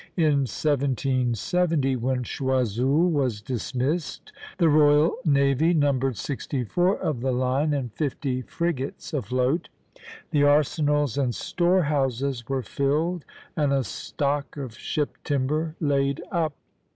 In 1770, when Choiseul was dismissed, the royal navy numbered sixty four of the line and fifty frigates afloat. The arsenals and storehouses were filled, and a stock of ship timber laid up.